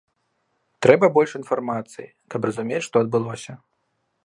Трэба больш інфармацыі, каб разумець, што адбылося.